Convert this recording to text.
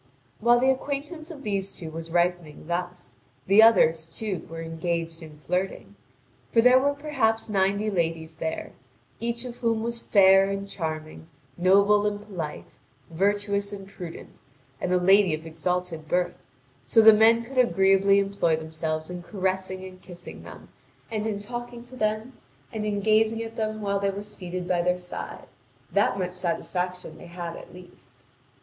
While the acquaintance of these two was ripening thus, the others, too, were engaged in flirting. For there were perhaps ninety ladies there, each of whom was fair and charming, noble and polite, virtuous and prudent, and a lady of exalted birth, so the men could agreeably employ themselves in caressing and kissing them, and in talking to them and in gazing at them while they were seated by their side; that much satisfaction they had at least.